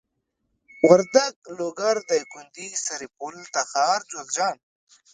وردک لوګر دايکندي سرپل تخار جوزجان